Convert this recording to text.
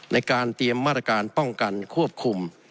ในการเตรียมมาตรการป้องกันควบคุม